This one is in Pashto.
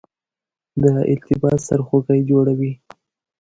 دا التباس سرخوږی جوړوي.